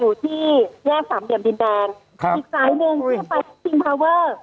อยู่ที่แยก๓เดี่ยวดินแดงอีกสายหนึ่งที่พิงพอเวิร์ด